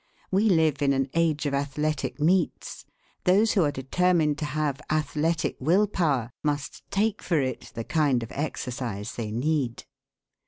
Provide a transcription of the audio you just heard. We live in an age of athletic meets. Those who are determined to have athletic will power must take for it the kind of exercise they need.